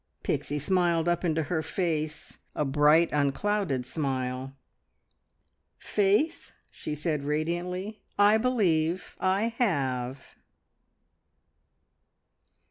Pixie smiled up into her face a bright, unclouded smile. "Faith," she said, radiantly, "I believe. I have!"